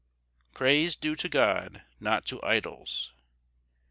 Praise due to God, not to idols.